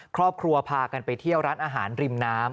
ครอบครัวพากันไปเที่ยวร้านอาหารริมน้ำ